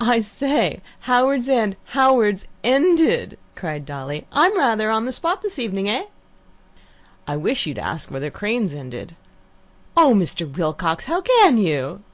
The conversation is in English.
"I say! Howards End Howard's Ended!" cried Dolly. "I'm rather on the spot this evening, eh?" "I wish you'd ask whether Crane's ended." "Oh, Mr. Wilcox, how CAN you?"